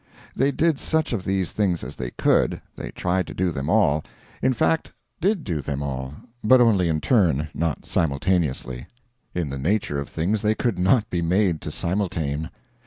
They did such of these things as they could; they tried to do them all; in fact, did do them all, but only in turn, not simultaneously. In the nature of things they could not be made to simultane.